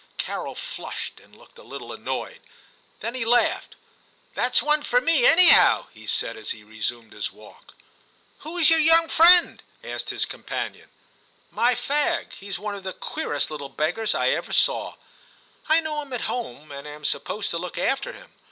Carol flushed and looked a little annoyed ; then he laughed. * That's one for me, anyhow,* he said, as he resumed his walk. 'Who's your young friend?* asked his companion. ' My fag ; he's one of the queerest little beggars I ever saw; I know him at home, and am supposed to look after him.